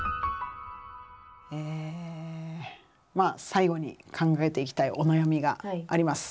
最後に考えていきたいお悩みがあります。